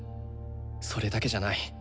それだけじゃない。